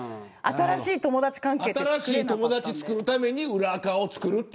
新しい友達をつくるために裏アカを作る。